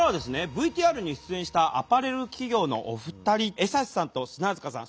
ＶＴＲに出演したアパレル企業のお二人江刺さんと砂塚さん